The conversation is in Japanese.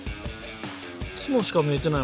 角しか見えてないもんな。